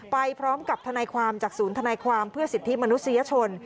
ไปพร้อมกับทนายความจากศูนย์ธนายความเพื่อสิทธิมนุษยชน